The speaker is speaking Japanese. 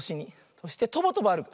そしてとぼとぼあるく。